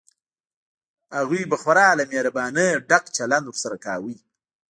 هغوی به خورا له مهربانۍ ډک چلند ورسره کوي.